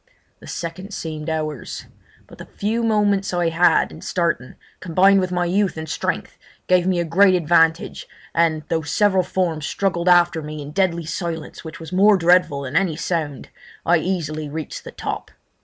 The seconds seemed hours; but the few moments I had in starting, combined with my youth and strength, gave me a great advantage, and, though several forms struggled after me in deadly silence which was more dreadful than any sound, I easily reached the top.